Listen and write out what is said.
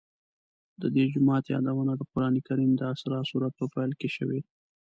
د دې جومات یادونه د قرآن کریم د اسراء سورت په پیل کې شوې.